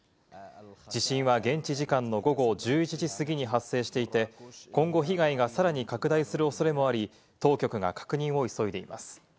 地震は現地時間の午後１１時過ぎに発生していて、今後、被害がさらに拡大するおそれもあり、当局が確認を急いでいます。